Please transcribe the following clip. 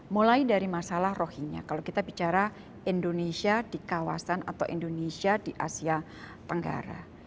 mulai dari masalah rohinya kalau kita bicara indonesia di kawasan atau indonesia di asia tenggara